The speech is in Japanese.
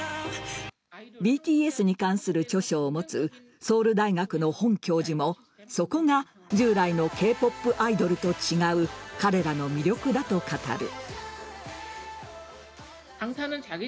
ＢＴＳに関する著書を持つソウル大学のホン教授もそこが従来のＫ‐ＰＯＰアイドルと違う彼らの魅力だと語る。